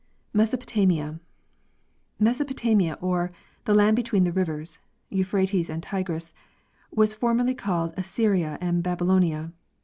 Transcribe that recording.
Mesopotamia. Mesopotamia, or " The land between the rivers" (Euphrates and Tigris), was formerly called Assyria and Babylonia.